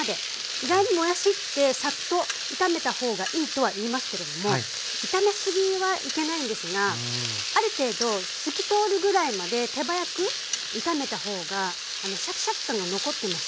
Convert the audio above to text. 意外にもやしってサッと炒めた方がいいとはいいますけれども炒めすぎはいけないんですがある程度透き通るぐらいまで手早く炒めた方がシャキシャキ感が残ってます。